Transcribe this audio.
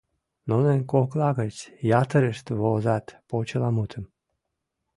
Нунын кокла гыч ятырышт возат почеламутым.